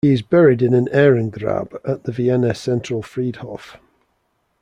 He is buried in an Ehrengrab at the Vienna Zentralfriedhof.